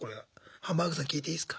ハンバーグさん聞いていいですか？